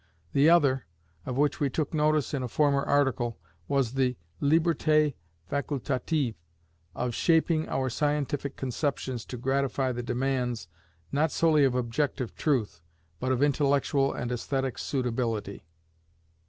The other, of which we took notice in a former article, was the "liberté facultative" of shaping our scientific conceptions to gratify the demands not solely of objective truth, but of intellectual and aesthetic suitability.